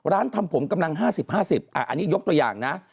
ทำผมกำลัง๕๐๕๐อันนี้ยกตัวอย่างนะ